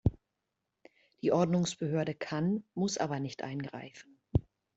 Die Ordnungsbehörde kann, muss aber nicht eingreifen.